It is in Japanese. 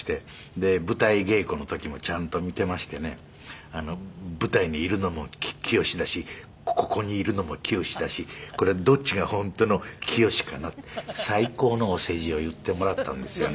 「で舞台稽古の時もちゃんと見ていましてね“舞台にいるのも清だしここにいるのも清だしこりゃどっちが本当の清かな”って最高のお世辞を言ってもらったんですよね」